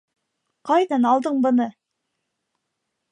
Ҡайҙан алдың быны!